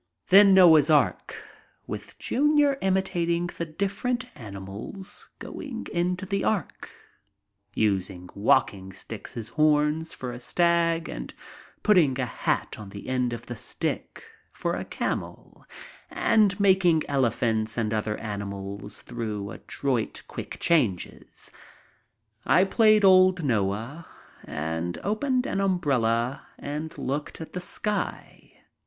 Then Noah's Ark, with Junior imitating the different animals going into the 132 MY TRIP ABROAD ark, using walking sticks as horns for a stag, and putting a hat on the end of the stick for a camel, and making elephants and many other animals through adroit, quick changes. I played old Noah and opened an umbrella and looked at the sky.